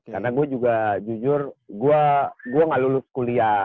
karena gue juga jujur gue nggak lulus kuliah